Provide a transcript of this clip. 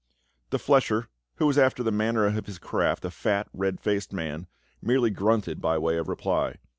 The flesher, who was after the manner of his craft a fat red faced man, merely grunted by way of reply.